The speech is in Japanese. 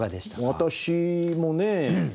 私もね